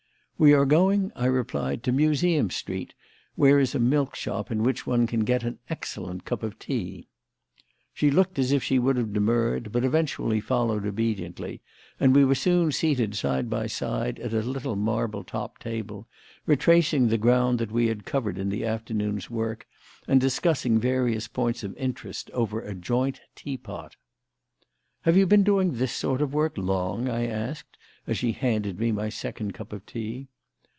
"We are going," I replied, "to Museum Street, where is a milkshop in which one can get an excellent cup of tea." She looked as if she would have demurred, but eventually followed obediently, and we were soon seated side by side at a little marble topped table, retracing the ground that we had covered in the afternoon's work and discussing various points of interest over a joint teapot. "Have you been doing this sort of work long?" I asked as she handed me my second cup of tea.